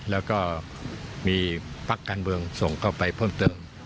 แล้วก็มีพักการเมืองส่งเข้าไปเพิ่มเติม